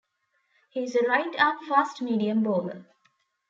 He is a right arm fast medium bowler.